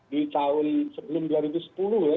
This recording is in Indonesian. di tahun sebelum dua ribu sepuluh ya